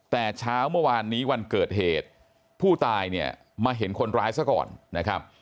แต่เช้าเมื่อวานนี้วันเกิดเหตุผู้ตายเนี่ยมาเห็นคนร้ายซะก่อนนะครับ